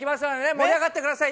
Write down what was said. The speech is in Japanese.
盛り上がって下さい。